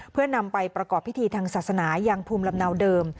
เพื่อนำไปประกอบพิธีทางศาสนายังภูมิลำเนาเดิม